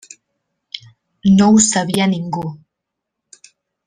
No ho sabia ningú.